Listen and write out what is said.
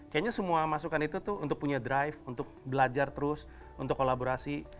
kayaknya semua masukan itu tuh untuk punya drive untuk belajar terus untuk kolaborasi